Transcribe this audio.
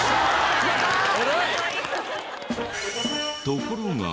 ところが。